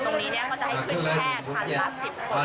ตรงนี้ก็จะให้เกิดแค่๑ละ๑๐คน